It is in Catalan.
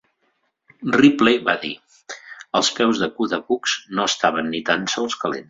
Ripley va dir, els peus de Kuda Bux no estaven ni tan sols calents.